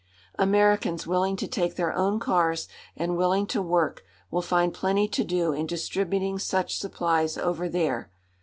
Americans willing to take their own cars, and willing to work, will find plenty to do in distributing such supplies over there.